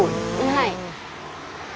はい。